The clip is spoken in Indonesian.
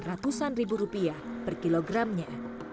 ratusan ribu rupiah per kilogramnya